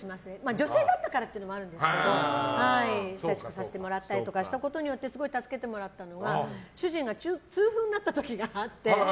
女性だったからっていうのもあるんですけど親しくさせてもらったりして助けてもらったのが主人が痛風になった時があって。